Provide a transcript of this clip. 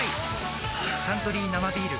「サントリー生ビール」